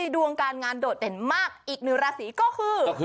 ดวงการงานโดดเด่นมากอีกหนึ่งราศีก็คือ